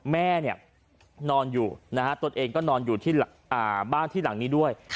แม่นอนอยู่ตัวเองก็นอนอยู่ที่บ้านที่หลังนี้ด้วย